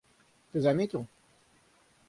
Ты заметил?...